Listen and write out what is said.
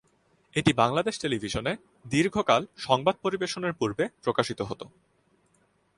এটি বাংলাদেশ টেলিভিশনে দীর্ঘকাল সংবাদ পরিবেশনের পূর্বে প্রকাশিত হত।